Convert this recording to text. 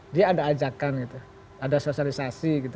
dia ada ajakan gitu ada sosialisasi gitu